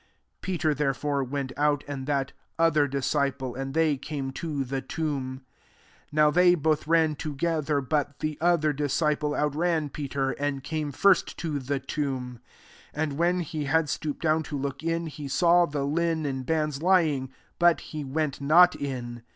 3 Peter, therefore, went out, and that other disciple ; and they came to the tomb. 4 Now they both ran toge ther: but the other disciple out ran Peter, and came first to the tomb. 5 And when he had stooped down, to look in, he saw the linen bands lying ; but he went not in.